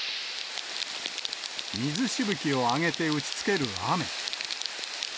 水しぶきを上げて打ちつける雨。